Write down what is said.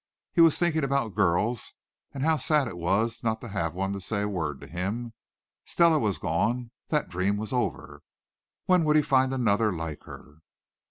He was thinking about girls and how sad it was not to have one to say a word to him. Stella was gone that dream was over. When would he find another like her?